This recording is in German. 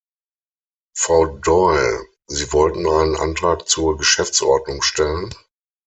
Frau Doyle, Sie wollten einen Antrag zur Geschäftsordnung stellen?